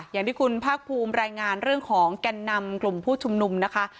อย่างที่คุณภาคภูมิรายงานเรื่องของแก่นนำกลุ่มผู้ชุมนุมนะคะ